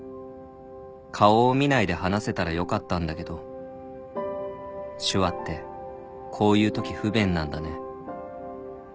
「顔を見ないで話せたらよかったんだけど手話ってこういうとき不便なんだね」